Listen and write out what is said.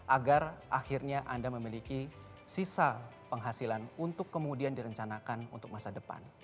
agar akhirnya anda memiliki sisa penghasilan untuk kemudian direncanakan untuk masa depan